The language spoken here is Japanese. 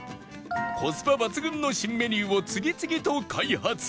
コスパ抜群の新メニューを次々と開発